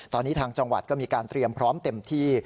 ตอนนี้ทางจังหวัดก็มีการเตรียมพร้อมเต็มที่